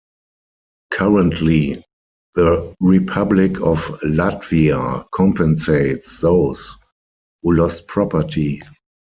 Currently, the Republic of Latvia compensates those who lost property.